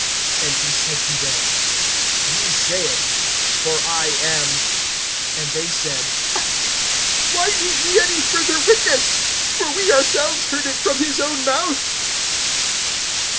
And he said to them: Ye say it; for I am. (71)And they said: Why need we any further witness? For we ourselves heard it from his own mouth.